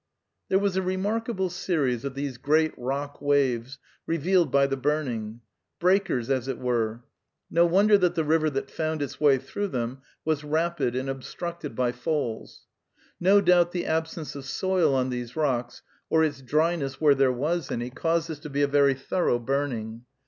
There was a remarkable series of these great rock waves revealed by the burning; breakers, as it were. No wonder that the river that found its way through them was rapid and obstructed by falls. No doubt the absence of soil on these rocks, or its dryness where there was any, caused this to be a very thorough burning.